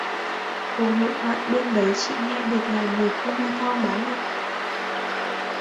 Cuộc hội thoại bên đấy chị nghe được là nhờ Kumanthong báo hiệu